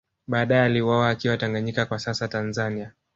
Baadae aliuawa akiwa Tanganyika kwa sasa Tanzania